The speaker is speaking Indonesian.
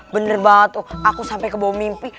bener banget aku sampai ke bawah mimpi